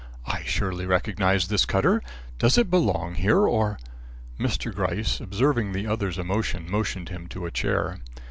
"I surely recognise this cutter. Does it belong here or " Mr. Gryce, observing the other's emotion, motioned him to a chair.